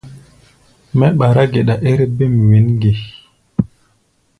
Mɛ́ ɓará geɗa ér bêm wěn ge?